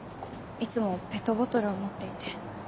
いつもペットボトルを持っていて。